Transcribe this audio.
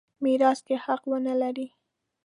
میراث کې حق ونه لري.